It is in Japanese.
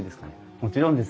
もちろんです。